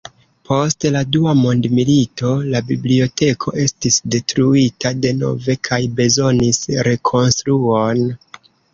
Post la Dua mondmilito, la biblioteko estis detruita denove kaj bezonis rekonstruon.